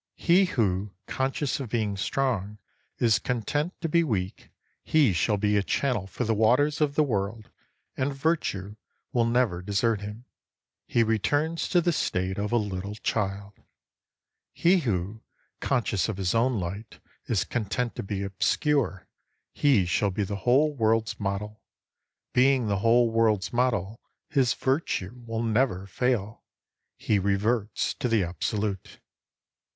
He who, conscious of being strong, is content to be weak, — he shall be a channel for the waters of the world, and Virtue will never desert him. He returns to the state of a little child. He who, conscious of his own light, is content to be obscure, — he shall be the whole world's model. Being the whole world's model, his Virtue will never fail. He reverts to the Absolute.